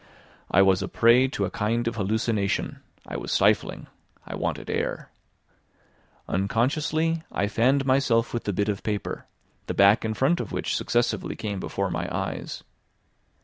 I was a prey to a kind of hallucination; I was stifling; I wanted air. Unconsciously I fanned myself with the bit of paper, the back and front of which successively came before my eyes.